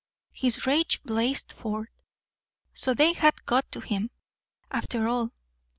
His rage blazed forth. So they had "got to him", after all.